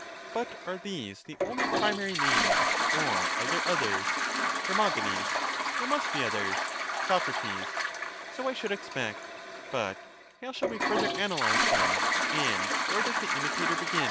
But are these the only primary names, or are there others ? Her. There must be others. Soc. So I should expect. But how shall we further analyse them, and where does the imitator begin?